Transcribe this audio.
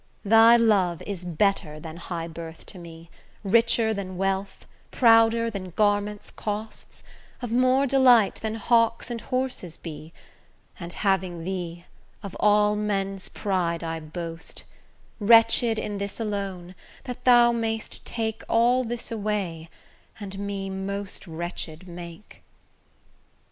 Thy love is better than high birth to me, Richer than wealth, prouder than garments' costs, Of more delight than hawks and horses be; And having thee, of all men's pride I boast: Wretched in this alone, that thou mayst take All this away, and me most wretched make.